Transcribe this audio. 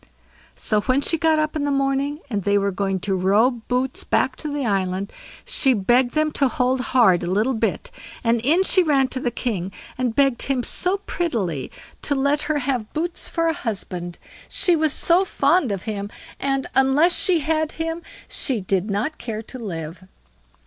So, when she got up in the morning, and they were going to row Boots back to the island, she begged them to hold hard a little bit; and in she ran to the king, and begged him so prettily to let her have Boots for a husband, she was so fond of him, and, unless she had him, she did not care to live.